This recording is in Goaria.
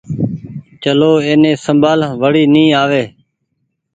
چلو اين سمڀآل وڙي ني آوي۔